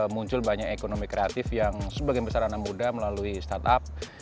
muncul banyak ekonomi kreatif yang sebagian besar anak muda melalui startup